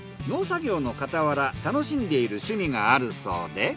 農作業の傍ら楽しんでいる趣味があるそうで。